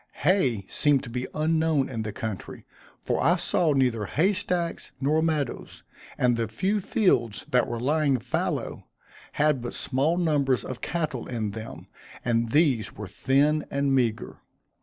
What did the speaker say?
Hay seemed to be unknown in the country, for I saw neither hay stacks nor meadows; and the few fields that were lying fallow, had but small numbers of cattle in them, and these were thin and meagre.